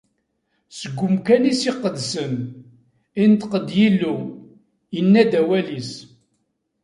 Seg umkan-is iqedsen, inṭeq-d Yillu, inna-d awal-is.